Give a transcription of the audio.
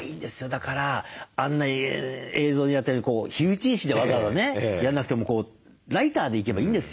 だからあんな映像でやったように火打ち石でわざわざねやんなくてもこうライターでいけばいいんですよ。